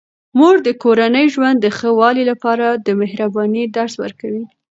مور د کورني ژوند د ښه والي لپاره د مهربانۍ درس ورکوي.